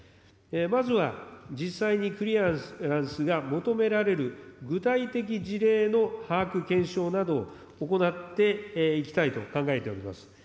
まずは、実際にクリアランスが求められる具体的事例の把握、検証などを行っていきたいと考えております。